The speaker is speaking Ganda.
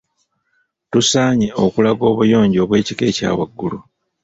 Tusaanye okulaga obuyonjo obw'ekika ekya waggulu.